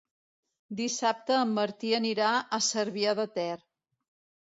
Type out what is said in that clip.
Dissabte en Martí anirà a Cervià de Ter.